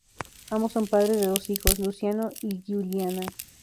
Ambos, son padres de dos hijos, Luciano y Giuliana.